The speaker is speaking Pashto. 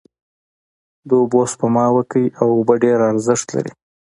داوبوسپما وکړی او اوبه ډیر ارښت لری